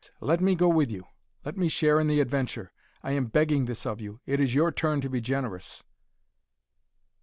Let me go with you; let me share in the adventure. I am begging this of you. It is your turn to be generous."